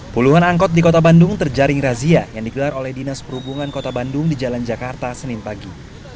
puluhan angkot di kota bandung terjaring razia yang digelar oleh dinas perhubungan kota bandung di jalan jakarta senin pagi